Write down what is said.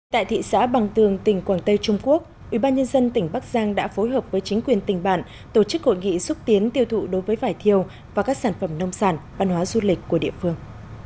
tại thị xã bằng tường tỉnh quảng tây trung quốc ubnd tỉnh bắc giang đã phối hợp với chính quyền tỉnh bạn tổ chức hội nghị xúc tiến tiêu thụ đối với vải thiều và các sản phẩm nông sản văn hóa du lịch của địa phương